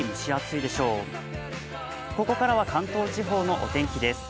ここからは関東地方のお天気です。